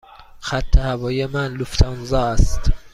خط هوایی من لوفتانزا است.